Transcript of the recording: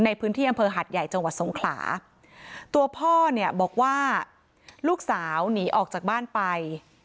ในพื้นที่อำเภอหัดใหญ่จังหวัดสงขลาตัวพ่อเนี่ยบอกว่าลูกสาวหนีออกจากบ้านไป